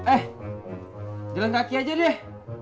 eh jalan kaki aja deh